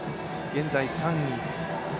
現在、３位。